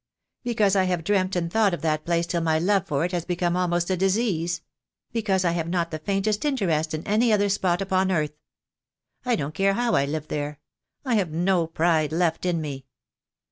Because I have dreamt and thought of that place till my love for it has become almost a disease; because I have not the faintest interest in any other spot upon earth. I don't care how I live there. I have no pride left in me.